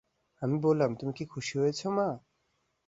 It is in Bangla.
আমি বললাম, তুমি কি খুশি হয়েছ মা?